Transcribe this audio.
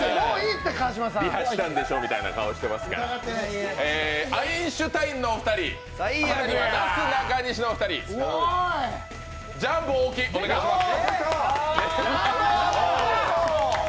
リハしたんでしょみたいな顔してるからアインシュタインのお二人、なすなかにしのお二人、ジャンボ大木、お願いします。